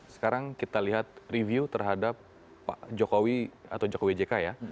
sekarang kita lihat review terhadap pak jokowi atau jokowi jk ya